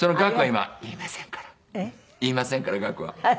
言いませんから額は。